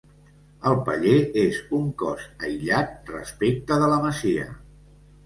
El paller és un cos aïllat respecte de la masia.